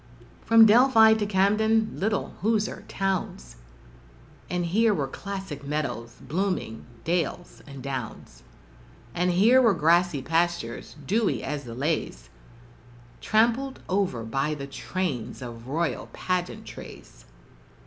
From Delphi to Camden little Hoosier towns, But here were classic meadows, blooming dales and downs And here were grassy pastures, dewy as the leas Trampled over by the trains of royal pageantries.